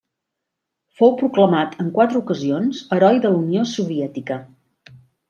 Fou proclamat en quatre ocasions Heroi de la Unió Soviètica.